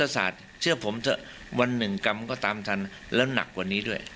ศาสตร์เชื่อผมเถอะวันหนึ่งกรรมก็ตามทันแล้วหนักกว่านี้ด้วย